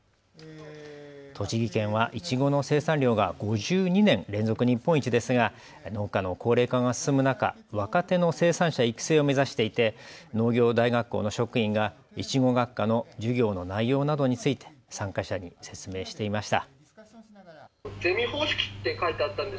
栃木県はいちごの生産量が５２年連続日本一ですが、農家の高齢化が進む中、若手の生産者育成を目指していて農業大学校の職員がいちご学科の授業の内容などについて参加者に説明していました。